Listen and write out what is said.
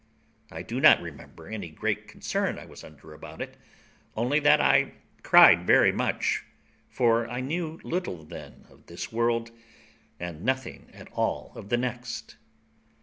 I do not remember any great concern I was under about it, only that I cried very much, for I knew little then of this world, and nothing at all of the next.